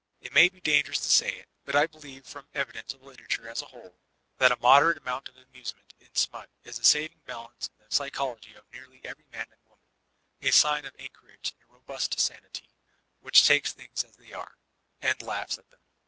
It may be dangerous to say it, but I believe from the evidence of literature as a whole, that a moderate amount of amusement in smut is a saving balance in the psycho logy of nearly every man and woman, — a sign of anchor age in a robust sanity, which takes things as they are — and laughs at them.